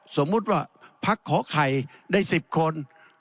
สมมุติว่าพักขอไข่ได้๑๐คน